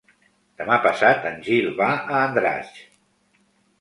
Demà passat en Gil va a Andratx.